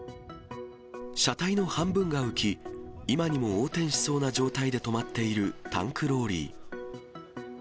車体の半分が浮き、今にも横転しそうな状態で止まっているタンクローリー。